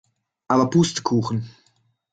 Aber Pustekuchen!